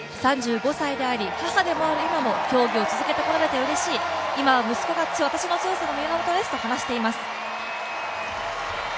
３５歳であり母でもある今も競技を続けこられてうれしい、今は息子が私の強さの源ですと話しています。